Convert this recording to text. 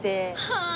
はあ！